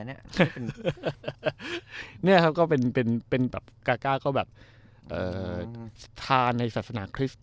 เนี้ยเนี้ยครับก็เป็นเป็นเป็นแบบกากาก็แบบเอ่อทาในศาสนาคริสต์